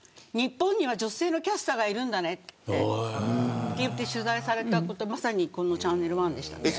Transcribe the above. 日本には女性のキャスターがいるんだねって言って取材されたこと、まさにこのチャンネル１でした。